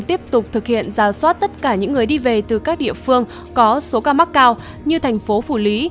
tiếp tục thực hiện ra soát tất cả những người đi về từ các địa phương có số ca mắc cao như thành phố phủ lý